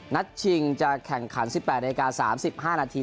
นัทชิงจะแข่งขัน๑๘นาฬิกา๓๕นาที